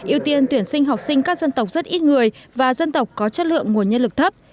ưu tiên tuyển sinh học sinh các dân tộc rất ít người và dân tộc có chất lượng nguồn nhân lực thấp